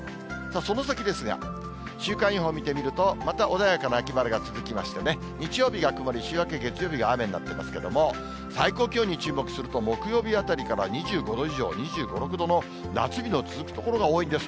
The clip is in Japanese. その先ですが、週間予報見てみると、また穏やかな秋晴れが続きましてね、日曜日が曇り、週明け月曜日が雨になってますけれども、最高気温に注目すると、木曜日あたりから２５度以上、２５、６度の夏日の続く所が多いです。